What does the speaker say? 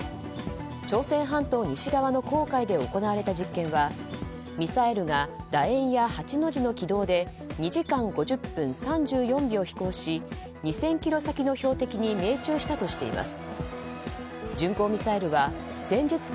朝鮮半島西側の黄海で行われた実験はミサイルが楕円や８の字の軌道で２時間５０分３４秒飛行し２０００ｋｍ先の標的に命中したとしています。